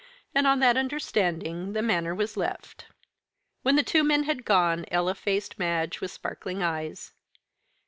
And on that understanding the matter was left. When the two men had gone, Ella faced Madge with sparkling eyes.